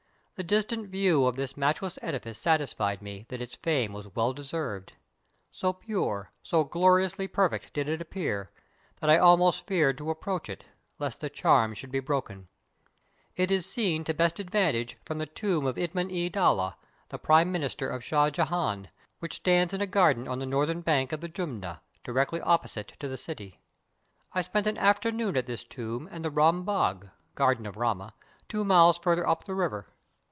The distant \ iew of this matchless edifice satisfied me that its fame was well deser\'ed. So pure, so gloriously per fect did it appear, that I almost feared to approach it, lest the charm should be broken. It is seen to best advantage from the tomb of Itmun e' Dowlah, the Prime ^Minister of Shah Jehan. which stands in a garden on the northern bank of the Jumna, directly opposite to the city. I spent an afternoon at this tomb and the Ram Bagh (Garden of Rama), two miles farther up the river.